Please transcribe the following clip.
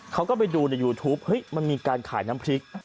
เขาก็ไปดูในยูทูปเฮ้ยมันมีการขายน้ำพริก